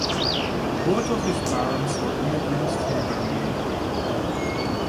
Both of his parents were immigrants from Bermuda.